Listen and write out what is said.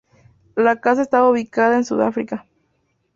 La casa estaba ubicada en Sudáfrica.